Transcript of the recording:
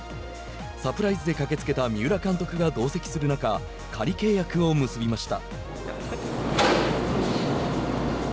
サプライズで駆けつけた三浦監督が同席する中仮契約を結びました。